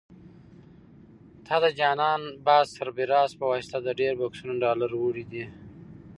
تا د جان باز سرفراز په واسطه ډېر بکسونه ډالر وړي دي.